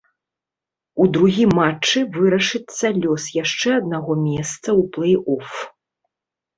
У другім матчы вырашыцца лёс яшчэ аднаго месца ў плэй-оф.